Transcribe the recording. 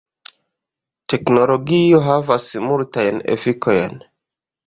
Teknologio havas multajn efikojn.